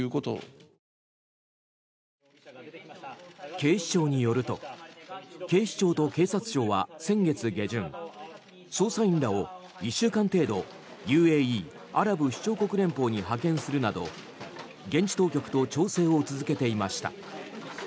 警視庁によると警視庁と警察庁は先月下旬捜査員らを１週間程度ＵＡＥ・アラブ首長国連邦に派遣するなど、現地当局と調整を続けていました。